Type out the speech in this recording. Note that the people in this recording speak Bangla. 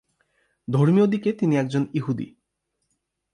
ধর্মীয় দিকে তিনি একজন ইহুদি।